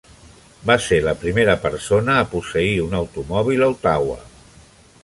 Va ser la primera persona a posseir un automòbil a Ottawa.